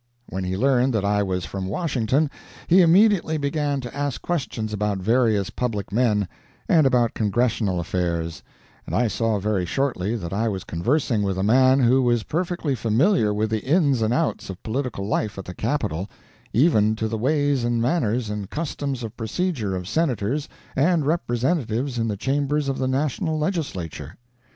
When he learned that I was from Washington, he immediately began to ask questions about various public men, and about Congressional affairs; and I saw very shortly that I was conversing with a man who was perfectly familiar with the ins and outs of political life at the Capital, even to the ways and manners, and customs of procedure of Senators and Representatives in the Chambers of the national Legislature.